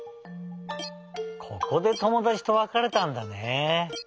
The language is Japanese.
ここでともだちとわかれたんだね。